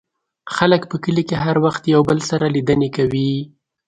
خلک په کلي کې هر وخت یو بل سره لیدنې کوي.